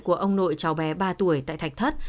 của ông nội cháu bé ba tuổi tại thạch thất